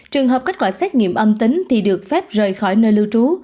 trường hợp kết quả xét nghiệm âm tính thì được phép rời khỏi nơi lưu trú